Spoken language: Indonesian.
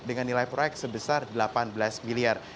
dengan nilai proyek sebesar delapan belas miliar